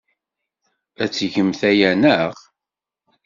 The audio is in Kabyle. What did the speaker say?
Ad tgemt aya, naɣ?